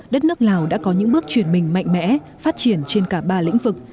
đất nước lào đã có những bước chuyển mình mạnh mẽ phát triển trên cả ba lĩnh vực